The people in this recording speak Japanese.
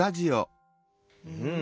うん。